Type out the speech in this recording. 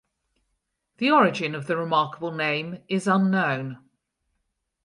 The origin of the remarkable name is unknown.